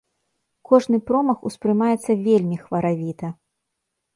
Кожны промах успрымаецца вельмі хваравіта.